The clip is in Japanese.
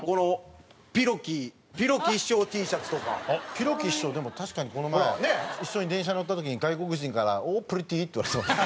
ぴろき師匠でも確かにこの前一緒に電車に乗った時に外国人から「ＯＨ！プリティー」って言われてました。